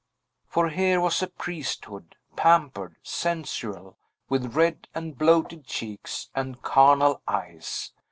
For here was a priesthood, pampered, sensual, with red and bloated cheeks, and carnal eyes.